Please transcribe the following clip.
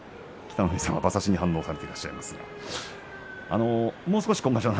北の富士さん馬刺しに反応してらっしゃいます。